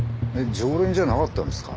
常連じゃなかったんですか？